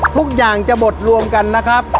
ทุกอย่างจะหมดรวมกันนะครับ